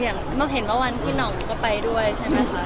เห็นว่าวันพี่หน่องก็ไปด้วยใช่ไหมคะ